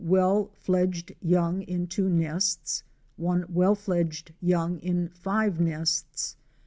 2 well fledged young in 2 nests. 1 well fledged young in 5 nests.